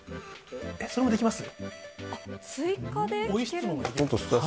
それもできます？